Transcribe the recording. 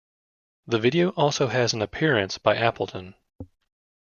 The video also has an appearance by Appleton.